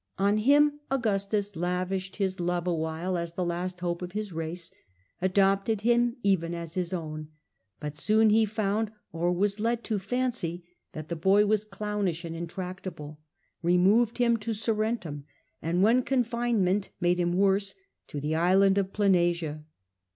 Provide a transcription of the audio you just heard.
On him Augustus lavished his love awhile as the last hope of his race, adopted him even as his own ; but soon he found, or was led to fancy, that the boy was clownish and intractable, removed him to Surrentum, and when confinement made him worse, to the island of Planasia.